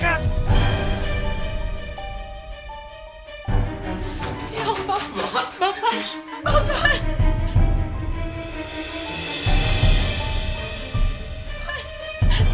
ya ampah bapak bapak